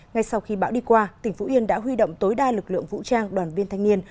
ngay sau khi bão đi qua tỉnh phú yên đã huy động tối đa lực lượng vũ trang đoàn viên thanh niên